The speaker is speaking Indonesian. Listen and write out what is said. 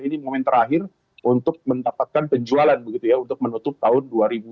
ini momen terakhir untuk mendapatkan penjualan begitu ya untuk menutup tahun dua ribu dua puluh